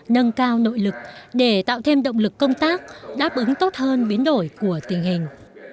nâng cao nội lực để tạo thêm động lực công tác đáp ứng tốt hơn biến đổi của tình hình